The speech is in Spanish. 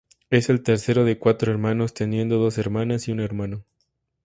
Es el tercero de cuatro hermanos; teniendo dos hermanas y un hermano.